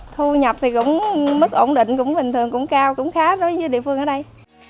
thu nhập thì cũng mức ổn định cũng bình thường cũng cao cũng khá đối với địa phương ở đây